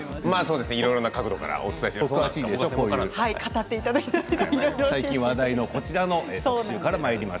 いろいろな角度からお伝えしたいと思います。